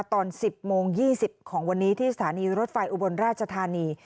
ตอน๑๐โมง๒๐ของวันนี้ที่สถานีรถไฟอุบลราชธานี